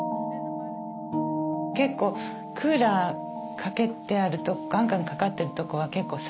結構クーラーかけてあるとガンガンかかってるとこは結構寒くて。